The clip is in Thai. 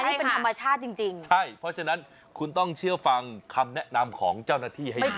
ให้เป็นธรรมชาติจริงจริงใช่เพราะฉะนั้นคุณต้องเชื่อฟังคำแนะนำของเจ้าหน้าที่ให้ดี